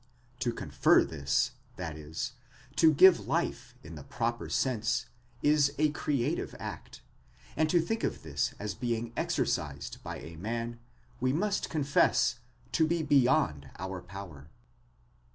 But to confer this, that is, to give life in the proper sense, is a creative act, and to think of this as being exercised by a man, we must con fess to be beyond our power.